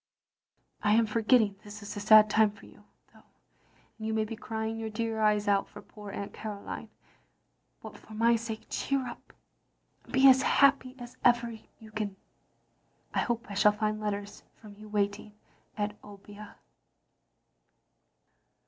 I am forgetting this is a sad time for you, though, and you may be crying your dear eyes out for poor Aunt Caroline. But for my sake cheer up, and be as happy as ever you can. I hope I shall find letters from you waiting at Obbia.